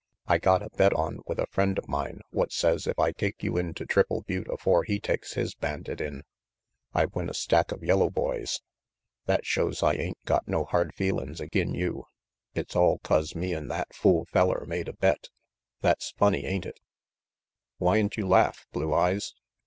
I got a bet on with a friend of mine what says if I take you into Triple Butte afore he takes his bandit in I win a stack of yellow boys. That shows I ain't got no hard feelin's agin you. It's all 'cause me an' that fool feller made a bet. That's funny, ain't it? Whyn't you laugh, Blue Eyes?"